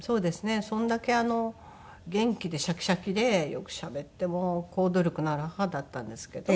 それだけ元気でシャキシャキでよくしゃべって行動力のある母だったんですけど。